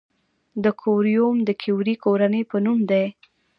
د کوریوم د کیوري کورنۍ په نوم دی.